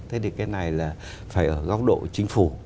thế thì cái này là phải ở góc độ chính phủ